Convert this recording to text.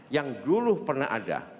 yang dulu pernah ada